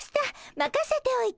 まかせておいて。